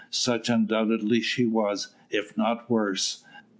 Such undoubtedly she was, if not worse.